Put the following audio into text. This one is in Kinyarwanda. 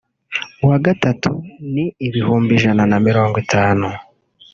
uwa gatatu ni ibihumbi ijana na mirongo itanu